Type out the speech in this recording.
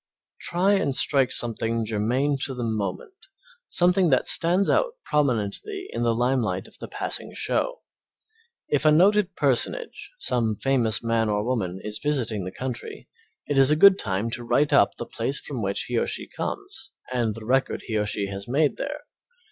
Try and strike something germane to the moment, something that stands out prominently in the limelight of the passing show. If a noted personage, some famous man or woman, is visiting the country, it is a good time to write up the place from which he or she comes and the record he or she has made there.